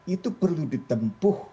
itu perlu ditempuh